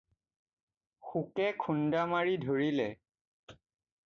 শোকে খুন্দামাৰি ধৰিলে।